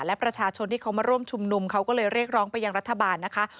และประชาชนที่เขามาร่วมชุมนุมเขาก็เลยเรียกร้องไปยังรัฐบาลนะคะ